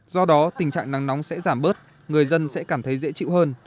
do đó tình trạng nắng nóng sẽ giảm bớt người dân sẽ cảm thấy dễ chịu hơn